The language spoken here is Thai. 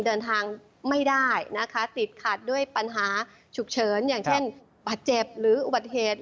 เดินทางไม่ได้นะคะติดขัดด้วยปัญหาฉุกเฉินอย่างเช่นบาดเจ็บหรืออุบัติเหตุ